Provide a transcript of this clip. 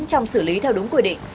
trong xử lý theo đúng quy định